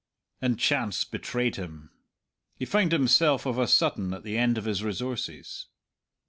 And chance betrayed him. He found himself of a sudden at the end of his resources.